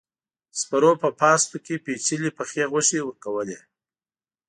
سپرو په پاستو کې پيچلې پخې غوښې ورکولې.